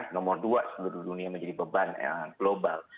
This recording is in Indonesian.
nomor dua seluruh dunia menjadi beban global